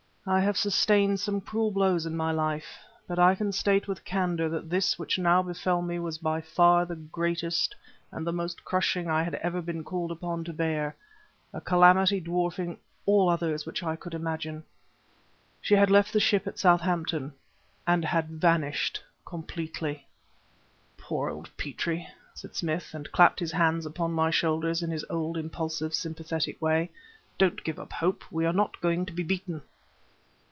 I have sustained some cruel blows in my life; but I can state with candor that this which now befell me was by far the greatest and the most crushing I had ever been called upon to bear; a calamity dwarfing all others which I could imagine. She had left the ship at Southampton and had vanished completely. "Poor old Petrie," said Smith, and clapped his hands upon my shoulders in his impulsive sympathetic way. "Don't give up hope! We are not going to be beaten!"